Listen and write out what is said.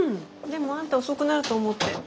でもあんた遅くなると思って。